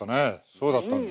そうだったんだ。